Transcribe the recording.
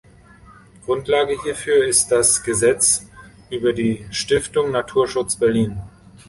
Grundlage hierfür ist das „Gesetz über die Stiftung Naturschutz Berlin“.